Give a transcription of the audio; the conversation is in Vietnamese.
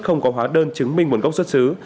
không có hóa đơn chứng tử